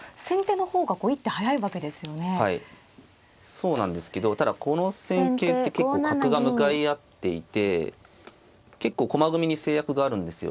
そうなんですけどただこの戦型って結構角が向かい合っていて結構駒組みに制約があるんですよ。